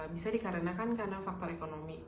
bisa dikarenakan karena faktor ekonomi